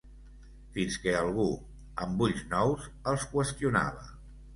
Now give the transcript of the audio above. Fins que algú, amb ulls nous, els qüestionava.